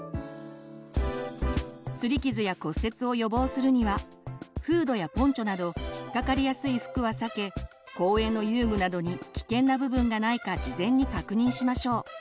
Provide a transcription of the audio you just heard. すり傷や骨折を予防するにはフードやポンチョなど引っかかりやすい服は避け公園の遊具などに危険な部分がないか事前に確認しましょう。